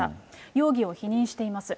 容疑を否認しています。